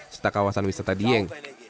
serta kawasan wisata dieng